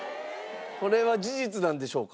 これは事実なんでしょうか。